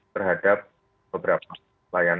terhadap beberapa layanan